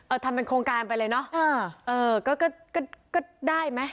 ทำเป็นโครงการไปเลยเนอะเออก็ก็ได้ไหม